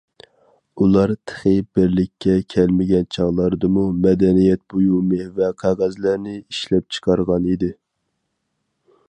ئۇلار تېخى بىرلىككە كەلمىگەن چاغلاردىمۇ مەدەنىيەت بۇيۇمى ۋە قەغەزلەرنى ئىشلەپچىقارغان ئىدى.